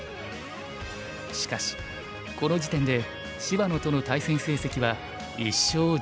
しかしこの時点で芝野との対戦成績は１勝１１敗。